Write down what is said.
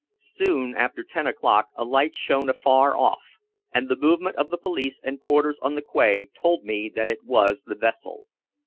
Soon after ten o'clock a light shone afar off, and the movement of the police and porters on the quay told me that it was the vessel.